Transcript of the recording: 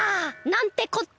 なんてこった！